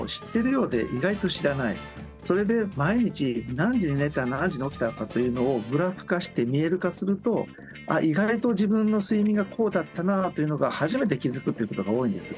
それで毎日何時に寝た何時に起きたのかというのをグラフ化して見える化すると意外と自分の睡眠がこうだったなというのが初めて気づくという事が多いんです。